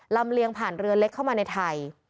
เลียงผ่านเรือเล็กเข้ามาในไทย